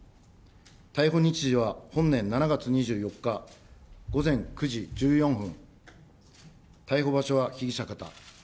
逮捕日時は本年７月２４日午前９時１４分、逮捕場所は被疑者方。